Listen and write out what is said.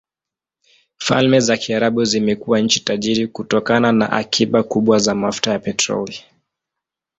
Falme za Kiarabu zimekuwa nchi tajiri kutokana na akiba kubwa za mafuta ya petroli.